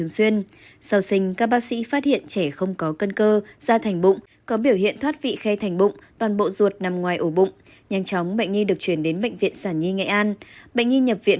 xin chào các bạn